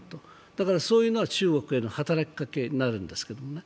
だからそういうのも中国への働きかけになるんですけどね。